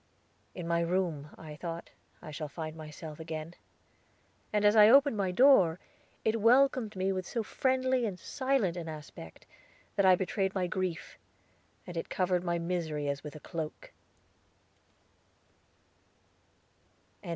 "In my room," I thought, "I shall find myself again." And as I opened my door, it welcomed me with so friendly and silent an aspect, that I betrayed my grief, and it covered my misery as with a cloak.